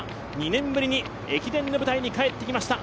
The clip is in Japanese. ２年ぶりに駅伝の舞台に帰ってきました。